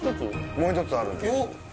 もう一つあるんですいや